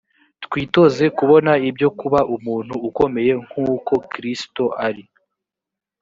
twitoze kubona ibyo kuba umuntu ukomeye nk uko kristo ari